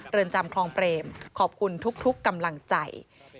เรือนจำคลองเปรมขอบคุณทุกกำลังใจ